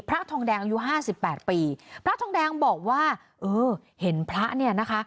พระทองแดงอายุห้าสิบแปดปีพระทองแดงบอกว่าเออเห็นพระเนี่ยนะคะ